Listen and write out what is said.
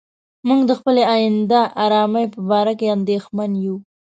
موږ د خپلې آینده آرامۍ په باره کې اندېښمن یو.